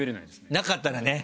なかったらね！